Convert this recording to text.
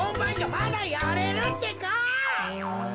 まだやれるってか。